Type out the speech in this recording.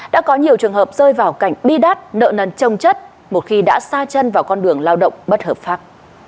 đã có nhiều trường hợp rơi vào cảnh bi đát nợ nần trông chất một khi đã xa chân vào con đường lao động bất hợp pháp